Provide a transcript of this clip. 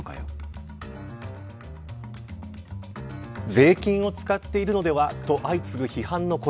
税金を使っているのではと相次ぐ批判の声。